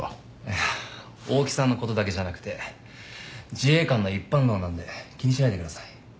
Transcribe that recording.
いや大木さんのことだけじゃなくて自衛官の一般論なんで気にしないでください。